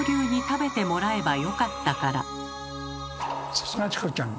さすがチコちゃん！